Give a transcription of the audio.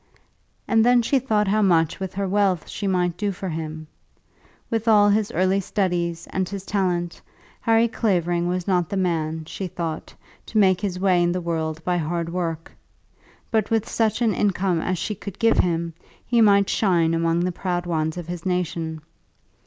And then she thought how much with her wealth she might do for him. With all his early studies and his talent Harry Clavering was not the man, she thought, to make his way in the world by hard work; but with such an income as she could give him, he might shine among the proud ones of his nation.